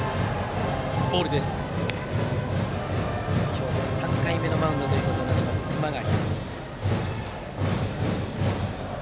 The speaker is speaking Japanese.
今日、３回目のマウンドとなった熊谷。